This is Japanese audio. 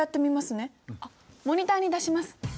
あっモニターに出します。